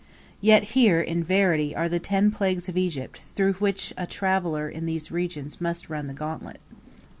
Yet here, in verity, are the ten plagues of Egypt, through which a traveller in these regions must run the gauntlet: 1.